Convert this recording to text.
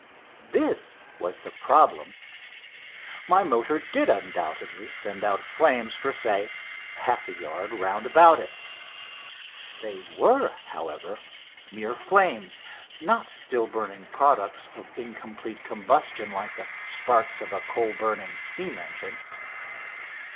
This was the problem. My motor did undoubtedly send out flames for, say, half a yard round about it. They were, however, mere flames, not still burning products of incomplete combustion like the sparks of a coal burning steam engine.